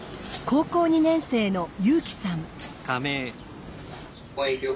高校２年生の優輝さん。